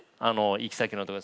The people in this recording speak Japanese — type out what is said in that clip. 行き先のところに。